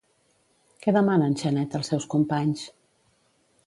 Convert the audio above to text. Què demana en Xaneta als seus companys?